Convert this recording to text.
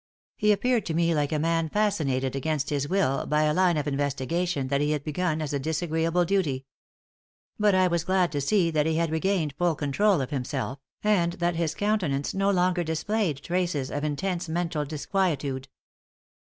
He appeared to me like a man fascinated against his will by a line of investigation that he had begun as a disagreeable duty. But I was glad to see that he had regained full control of himself, and that his countenance no longer displayed traces of intense mental disquietude.